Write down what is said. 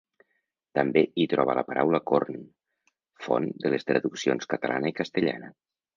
També hi troba la paraula «corn», font de les traduccions catalana i castellana.